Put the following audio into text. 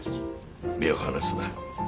目を離すな。